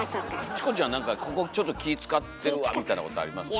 チコちゃんなんかここちょっと気ぃ遣ってるわみたいなことありますか？